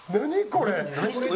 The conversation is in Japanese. これ。